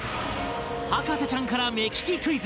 博士ちゃんから目利きクイズ